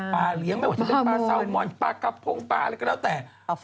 เลี้ยงไม่ว่าจะเป็นปลาซาวมอนปลากระพงปลาอะไรก็แล้วแต่